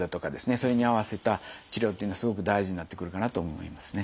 それに合わせた治療っていうのはすごく大事になってくるかなと思いますね。